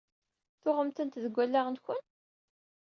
Tuɣem-tent deg allaɣen-nwen?